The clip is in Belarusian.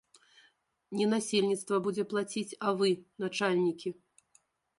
Не насельніцтва будзе плаціць, а вы, начальнікі.